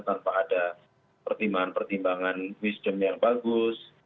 tanpa ada pertimbangan pertimbangan wisdom yang bagus